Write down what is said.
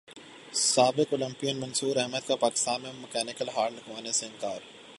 سابق اولمپئن منصوراحمد کا پاکستان میں مکینیکل ہارٹ لگوانے سے انکار